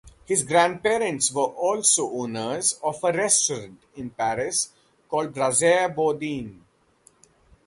His grandparents were also owners of a restaurant in Paris called Brasserie Bourdin.